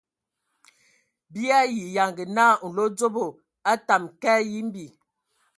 Bii ayi yanga naa nlodzobo a tamǝ ka yimbi.